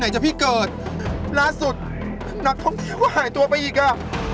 จะพี่เกิดล่าสุดนักท่องเที่ยวก็หายตัวไปอีกอ่ะ